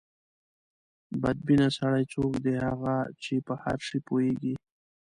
بد بینه سړی څوک دی؟ هغه چې په هر شي پوهېږي.